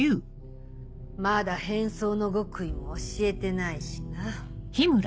まだ変装の極意も教えてないしな。